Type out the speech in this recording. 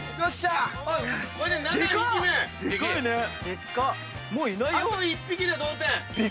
あと１匹で同点。